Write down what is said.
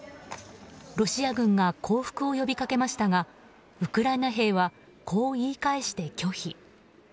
ロシア軍が降伏を呼びかけましたがウクライナ兵はこう言い返して拒否。